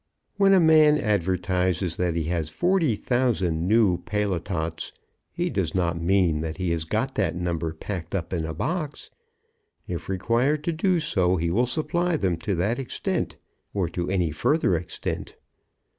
When a man advertises that he has 40,000 new paletots, he does not mean that he has got that number packed up in a box. If required to do so, he will supply them to that extent, or to any further extent.